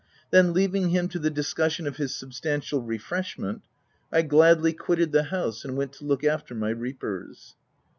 Then, leaving him to the discussion of his sub stantial "refreshment," I gladly quitted the house, and went to look after my reapers."